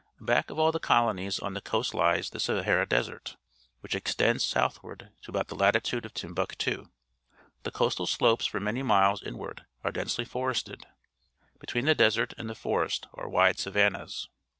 Back of all the colonies on the coast Hes the Sahara Desert, which extends southward to 234 PUBLIC SCHOOL GEOGRAPHY about the latitude of Timbuktu. The coastal slopes for many miles inward are densely forested. Between the desert and the forest are wide savannas.